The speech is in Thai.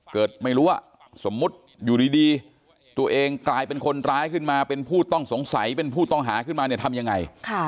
ไม่รู้ว่าสมมุติอยู่ดีตัวเองกลายเป็นคนร้ายขึ้นมาเป็นผู้ต้องสงสัยเป็นผู้ต้องหาขึ้นมาเนี่ยทำยังไง